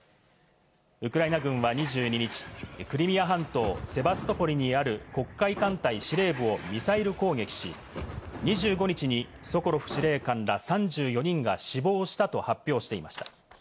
ウクライナ軍は２２日、クリミア半島セバストポリにある黒海艦隊司令部をミサイル攻撃し、２５日にソコロフ司令官ら３４人が死亡したと発表していました。